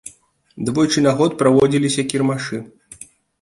Двойчы на год праводзіліся кірмашы.